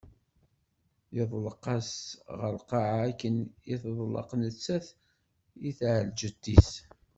Yeḍleq-as ɣer lqaɛa akken i teḍleq nettat i tɛelǧet-is.